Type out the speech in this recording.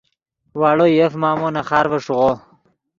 واڑو یف مامو نے خارڤے ݰیغو